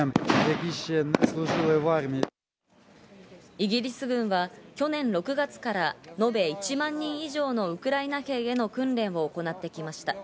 イギリス軍は去年６月から、延べ１万人以上のウクライナ兵への訓練を行ってきました。